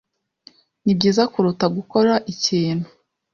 Nibyiza kuruta gukora ikintu.